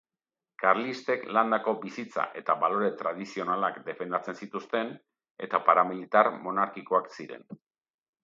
Karlistek landako bizitza eta balore tradizionalak defendatzen zituzten, eta paramilitar monarkikoak ziren.